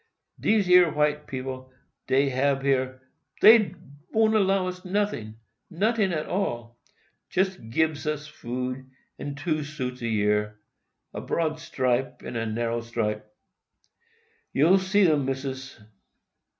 Dese yer white people dey hab here, dey won't 'low us noting—noting at all—jest gibs us food, and two suits a year—a broad stripe and a narrow stripe; you'll see 'em, Missis."